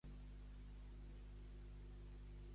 Què es recordaria per sempre més, però?